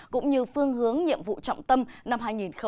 cũng như phương hướng nhiệm vụ trọng tâm năm hai nghìn hai mươi